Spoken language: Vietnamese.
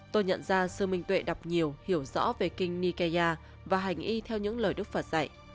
tôi nhận ra sơ minh tuệ đọc nhiều hiểu rõ về kinh nikeya và hành y theo những lời đức phật dạy